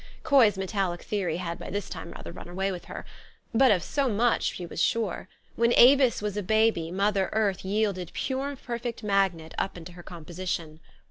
Coy's metallic theory had by this time rather run away with her. But of so much she was sure : when Avis was a baby, mother earth 3delded pure perfect magnet up into her composition.